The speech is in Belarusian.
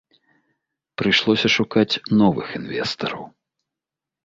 Прыйшлося шукаць новых інвестараў.